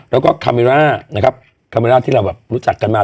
แล้วก็คาเมร่าที่เรารู้จักกันมา